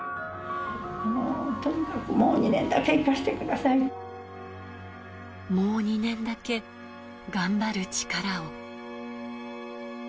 とにかくもう２年だけ生かしもう２年だけ、頑張る力を。